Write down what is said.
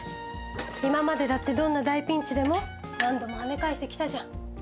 今までだってどんな大ピンチでも何度もはね返してきたじゃん。